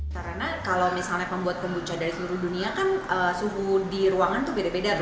karena kalau misalnya membuat kombucha dari seluruh dunia kan suhu di ruangan itu beda beda